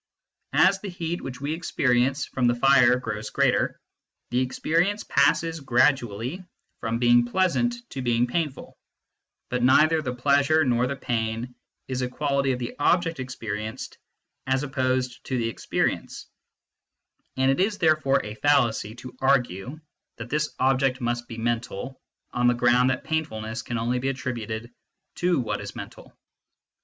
As the heat which we experience from the fire grows greater, the experience passes gradually from being pleasant to being painful, but neither the pleasure nor the pain is a quality of the object experienced as opposed to the experience, and it is therefore a fallacy to argue that this object must be mental on the ground that painfulness can only be attributed to what is mental.